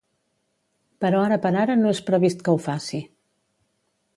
Però ara per ara no és previst que ho faci.